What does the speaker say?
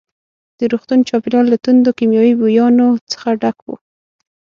د روغتون چاپېریال له توندو کیمیاوي بویانو څخه ډک وو.